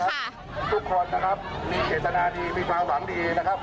ทุกคนนะครับมีเจตนาดีมีความหวังดีนะครับ